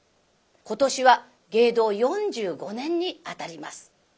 今年は芸道４５年にあたります。